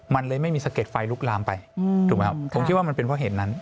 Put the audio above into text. มันเลยไม่มีสะเก็ดไฟลุกลามไปถูกไหมครับผมคิดว่ามันเป็นเพราะเหตุนั้น